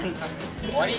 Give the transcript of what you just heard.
終わり！